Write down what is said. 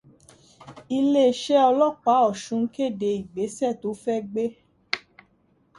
Iléeṣẹ́ ọlọ́pàá Ọ̀sun kède ìgbésẹ̀ tó fẹ́ gbé.